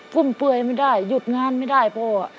ุ่มเปื่อยไม่ได้หยุดงานไม่ได้พ่อ